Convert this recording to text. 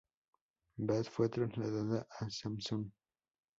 Bas fue trasladada a Samsun.